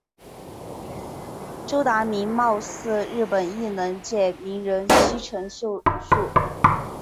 周达明貌似日本艺能界名人西城秀树。